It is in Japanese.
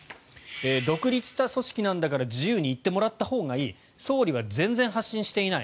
独立した組織なんだから自由に言ってもらったほうがいい総理は全然発信していない。